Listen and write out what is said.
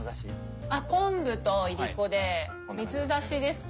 昆布といりこで水出しですか？